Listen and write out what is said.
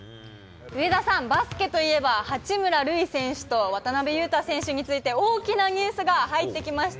上田さん、バスケといえば、八村塁選手と渡邊雄太選手について、大きなニュースが入ってきました。